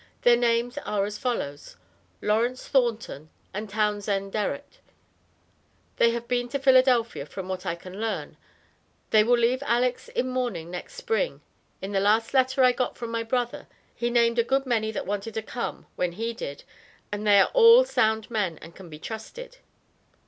ther names are as follows Lawrence Thornton and Townsend Derrit. have they been to philadelphia from what I can learn they will leave alex in mourning next spring in the last letter I got from my brother he named a good many that wanted to come when he did and the are all sound men and can be trusted.